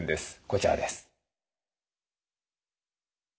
こちらです。